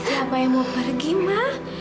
siapa yang mau pergi mah